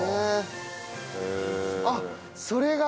あっそれが。